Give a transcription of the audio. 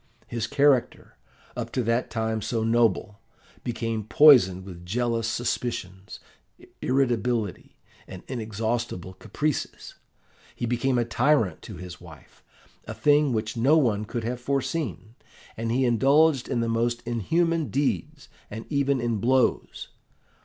His character, up to that time so noble, became poisoned with jealous suspicions, irritability, and inexhaustible caprices. He became a tyrant to his wife, a thing which no one could have foreseen, and indulged in the most inhuman deeds, and even in blows.